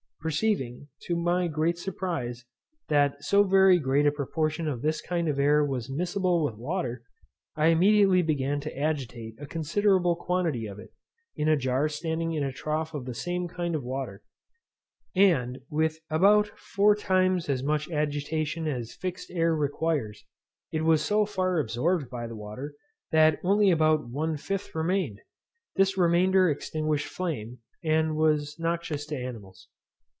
Perceiving, to my great surprize, that so very great a proportion of this kind of air was miscible with water, I immediately began to agitate a considerable quantity of it, in a jar standing in a trough of the same kind of water; and, with about four times as much agitation as fixed air requires, it was so far absorbed by the water, that only about one fifth remained. This remainder extinguished flame, and was noxious to animals.